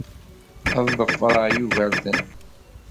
Ad ḍefreɣ Yugurten.